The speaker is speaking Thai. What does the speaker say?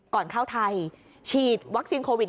ก่อนเข้าไทยฉีดวัคซีนโควิด